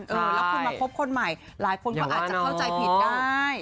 เออแล้วคุณมาคบคนใหม่หลายคนก็อาจจะเข้าใจผิดได้